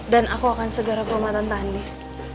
dan aku akan segera keumatan tahanis